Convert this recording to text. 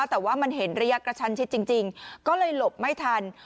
แต่ว่ามันเห็นระยะกระชันชิดจริงก็เลยหลบไม่ทัน